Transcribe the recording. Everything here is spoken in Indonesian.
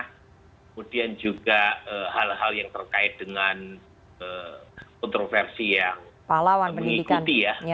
kemudian juga hal hal yang terkait dengan kontroversi yang mengikuti ya